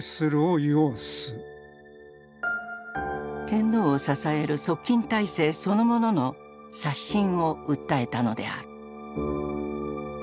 天皇を支える側近体制そのものの刷新を訴えたのである。